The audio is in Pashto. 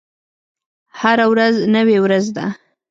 هره ورځ نوې ورځ ده